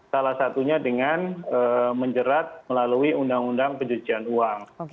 salah satunya dengan menjerat melalui undang undang pencucian uang